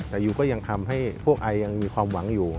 แต่ยูก็ยังทำให้พวกไอยังมีความหวังอยู่